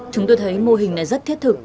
chúng tôi thấy mô hình này rất thiết thực